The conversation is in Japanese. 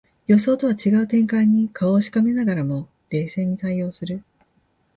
予想とは違う展開に顔をしかめながらも冷静に対応する